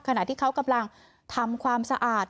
ขณะที่เขากำลังทำความสะอาด